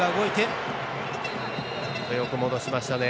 よく戻しましたね。